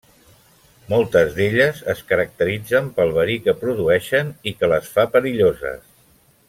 Moltes d'elles es caracteritzen pel verí que produeixen, i que les fa perilloses.